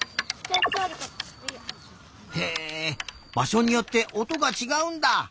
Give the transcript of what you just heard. へえばしょによっておとがちがうんだ。